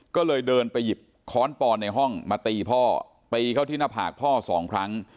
ก็เลยเดินไปหยิบค้อนปอนในห้องมาตีพ่อตีเข้าที่หน้าผากพ่อสองครั้ง